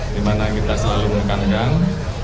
di mana kita selalu menganggang